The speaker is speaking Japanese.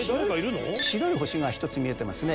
白い星が１つ見えてますね。